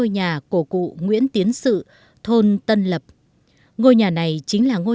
bác vô cùng giản dị và gần gũi với mọi người